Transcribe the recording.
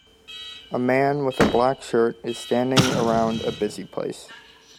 A man with a black shirt is standing around a busy place.